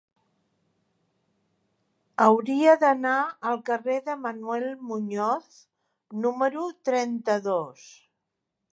Hauria d'anar al carrer de Manuel Muñoz número trenta-dos.